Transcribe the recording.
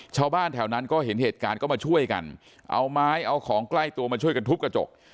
ชาวบ้านแถวนั้นก็เห็นเหตุการณ์ก็มาช่วยกันเอาไม้เอาของใกล้ตัวมาช่วยกันทุบกระจก